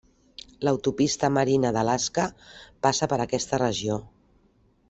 L'Autopista Marina d'Alaska passa per aquesta regió.